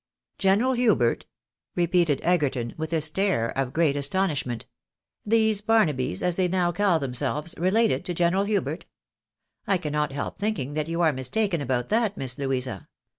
"General Hubert?" repeated Egerton, with a stare of great astonishment., " These Barnabys, as they now call themselves, related to General Hubert ? I cannot help thinking that you are mistaken about that, Miss Louisa.